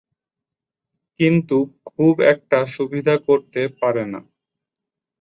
কিন্তু খুব একটা সুবিধা করতে পারে না।